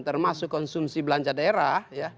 termasuk konsumsi belanja daerah